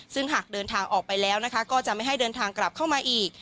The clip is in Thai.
ซึ่งหากเดินทางออกไปแล้วก็จะไม่ให้เดินทางกลับเข้ามาอีก